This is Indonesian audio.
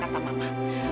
kenapa kamu masih takut